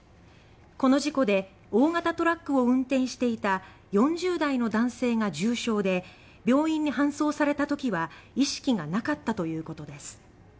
この事故で大型トラックを運転していた４０代の男性が重傷で病院に搬送されたときは意識がなかったということです。